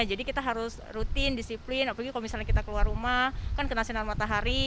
jadi kita harus rutin disiplin apalagi kalau misalnya kita keluar rumah kan kena sinar matahari